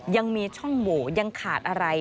ยังมีช่องโหวยังขาดอะไร